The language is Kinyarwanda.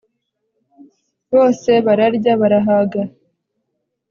Bose bararya barahaga